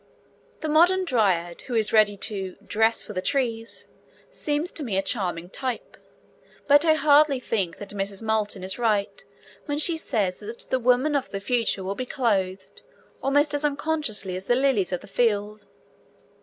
The modern Dryad who is ready to 'dress for the trees' seems to me a charming type; but I hardly think that Mrs. Moulton is right when she says that the woman of the future will be clothed 'almost as unconsciously as the lilies of the field.'